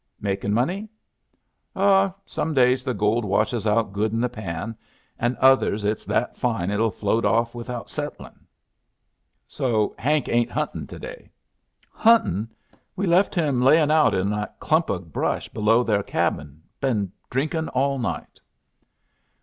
"Makin' money?" "Oh, some days the gold washes out good in the pan, and others it's that fine it'll float off without settlin'." "So Hank ain't huntin' to day?" "Huntin'! We left him layin' out in that clump o'brush below their cabin. Been drinkin' all night."